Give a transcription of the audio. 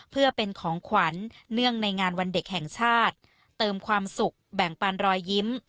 เพื่อเป็นของขวัญเนื่องในงานวันเด็กแห่งชาติเติมความสุขแบ่งปันรอยยิ้ม